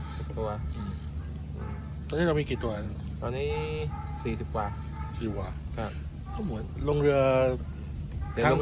ตอนนี้เรามีกี่ตัวนะตอนนี้สี่สิบกว่าสี่กว่าครับกับหมดลงเรือ